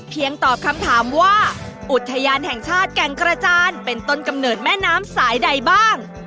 ตอบคำถามว่าอุทยานแห่งชาติแก่งกระจานเป็นต้นกำเนิดแม่น้ำสายใดบ้าง